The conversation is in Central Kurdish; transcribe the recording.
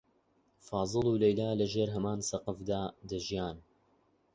فازڵ و لەیلا لەژێر هەمان سەقفدا دەژیان.